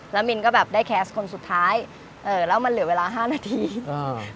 แล้วมินก็แบบได้แคสต์คนสุดท้ายเอ่อแล้วมันเหลือเวลาห้านาทีอ่า